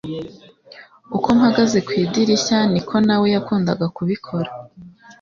uko mpagaze ku idirishya, niko nawe yakundaga kubikora